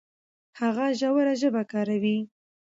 هغه ژوره ژبه کاروي.